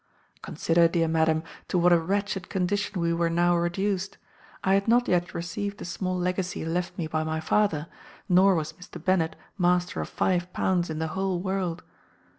"Consider, dear madam, to what a wretched condition we were now reduced. I had not yet received the small legacy left me by my father; nor was Mr. Bennet master of five pounds in the whole world.